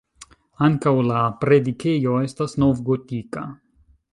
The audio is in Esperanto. Ankaŭ la predikejo estas novgotika.